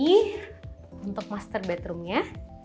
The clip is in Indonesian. ini untuk master bedroomnya